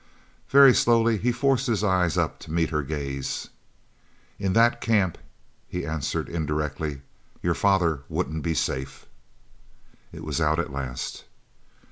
Very slowly he forced his eyes up to meet her gaze. "In that camp," he answered indirectly, "your father wouldn't be safe!" It was out at last!